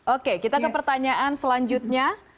oke kita ke pertanyaan selanjutnya